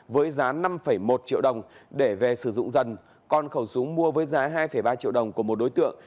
với giá năm một triệu đồng để về sử dụng dần con khẩu súng mua với giá hai ba triệu đồng của một đối tượng